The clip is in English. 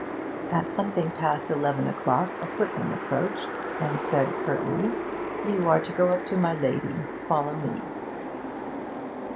At something past eleven o'clock a footman approached her, and said curtly, 'You are to go up to my lady; follow me.'